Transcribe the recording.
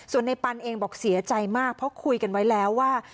ส่วนในปันเองบอกเสียใจมากเพราะคุยกันไว้แล้วว่า